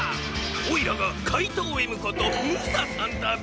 おいらがかいとうＭことムサさんだビ！